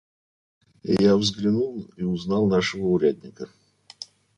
Я взглянул и узнал нашего урядника.